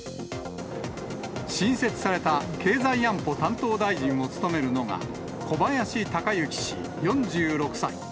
新設された経済安保担当大臣を務めるのは、小林鷹之氏４６歳。